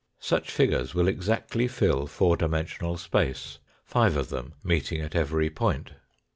Such figures will exactly fill four dimensional space, five of them meet ing at every point.